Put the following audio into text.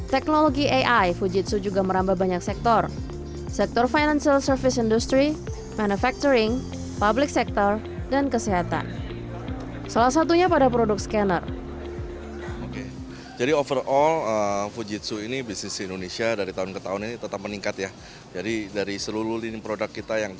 teknologi ai fujitsu juga merangkulkan